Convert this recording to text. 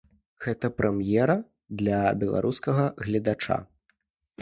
Гэта прэм'ера для беларускага гледача.